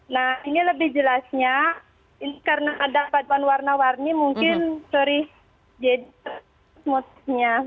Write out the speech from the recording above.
nah ini lebih jelasnya karena ada warna warna mungkin jadi motifnya